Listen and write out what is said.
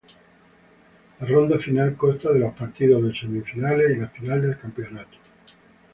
La ronda final consta de los partidos de semifinales y la final del campeonato.